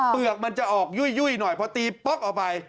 เปลือกมันจะออกยุ่ยหน่อยพอตีป๊อกออกไป